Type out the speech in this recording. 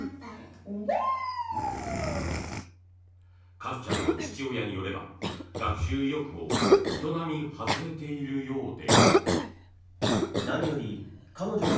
カシュちゃんの父親によれば学習意欲も人並み外れているようで。